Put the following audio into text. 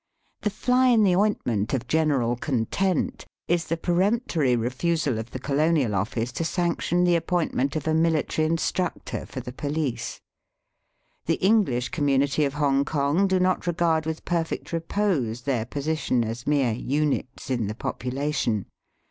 The fly in the ointment of general content is the peremptory refusal of the Colonial Office to sanction the appointment of a mihtary instructor for the* police. The English com munity of Hongkong do not regard with perfect repose their position as mere units in the population.